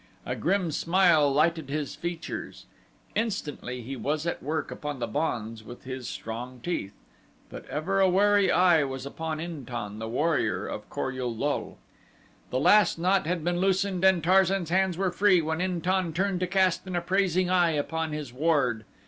A grim smile lighted his features. Instantly he was at work upon the bonds with his strong teeth, but ever a wary eye was upon In tan, the warrior of Kor ul lul. The last knot had been loosened and Tarzan's hands were free when In tan turned to cast an appraising eye upon his ward.